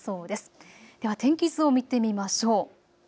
では天気図を見てみましょう。